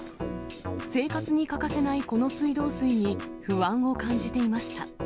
生活に欠かせないこの水道水に、不安を感じていました。